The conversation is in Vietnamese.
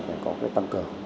để có cái tăng cường